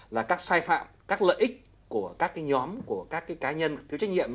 là các sai phạm các lợi ích của các cái nhóm của các cá nhân thiếu trách nhiệm